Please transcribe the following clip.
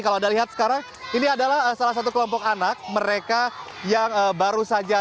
kalau anda lihat sekarang ini adalah salah satu kelompok anak mereka yang baru saja